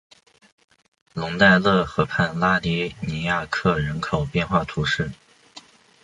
龙代勒河畔拉迪尼亚克人口变化图示